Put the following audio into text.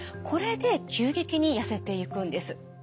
これで急激にやせていくんです。